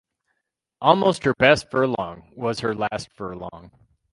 Almost her best furlong was her last furlong.